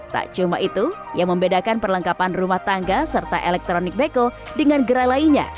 tak cuma itu yang membedakan perlengkapan rumah tangga serta elektronik beko dengan gerai lainnya